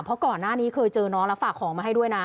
เพราะก่อนหน้านี้เคยเจอน้องแล้วฝากของมาให้ด้วยนะ